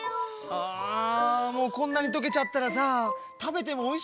あもうこんなにとけちゃったらさたべてもおいしくないよね。